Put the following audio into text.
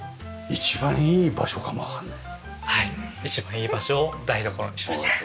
一番いい場所を台所にしました。